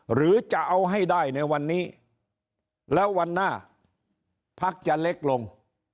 หรือจะเอาให้ได้ในวันนี้แล้ววันหน้าพักจะเล็กลง